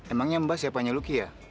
emangnya mbak siapanya luki ya